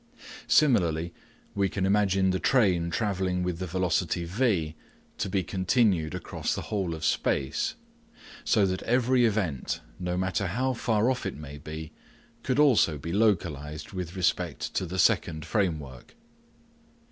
Fig. 2 Similarly, we can imagine the train travelling with the velocity v to be continued across the whole of space, so that every event, no matter how far off it may be, could also be localised with respect to the second framework.